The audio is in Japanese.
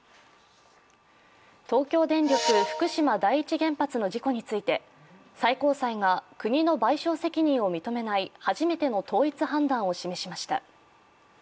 東京電力福島第一原発の事故について最高裁が国の賠償責任を認めない初めての統一判断を示しました。